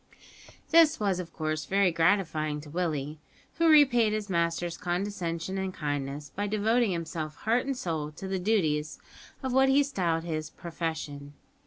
This was of course very gratifying to Willie, who repaid his master's condescension and kindness by devoting himself heart and soul to the duties of what he styled his "profession."